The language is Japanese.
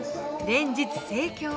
連日盛況。